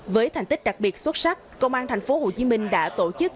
với thành tích đặc biệt xuất sắc công an thành phố hồ chí minh đã tổ chức